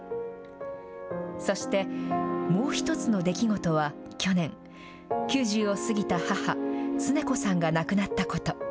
そして、もう一つの出来事は去年、９０を過ぎた母、つね子さんが亡くなったこと。